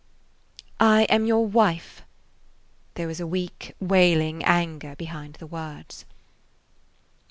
"I am your wife." There was a weak, wailing anger behind the words.